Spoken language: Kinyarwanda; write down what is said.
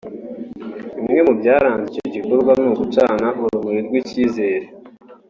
Bimwe mu byaranze icyo gikorwa ni ugucana urumuri rw’icyizere